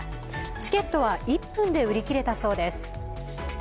チケットは１分で売り切れたそうです。